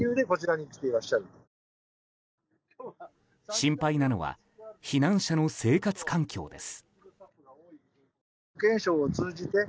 心配なのは避難者の生活環境です。